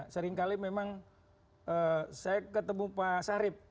sering kali memang saya ketemu pak sarip